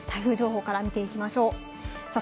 台風情報から見ていきましょう。